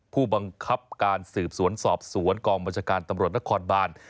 ผู้บังคับการสืบสวนสอบสวนกองบัญชาการตำรวจนครบาน